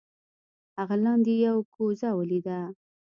هغه لاندې یو کوزه ولیده.